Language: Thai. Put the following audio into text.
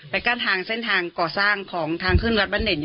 ไปก้านทางเส้นทางก่อสร้างของทางขึ้นรัฐบันเด่น